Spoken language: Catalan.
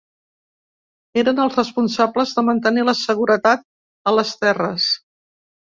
Eren els responsables de mantenir la seguretat a les terres.